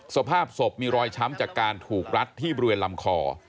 สภาพศพมีรอยช้ำจากการถูกรัดที่บริเวณลำคอ